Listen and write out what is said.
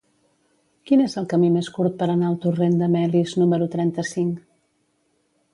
Quin és el camí més curt per anar al torrent de Melis número trenta-cinc?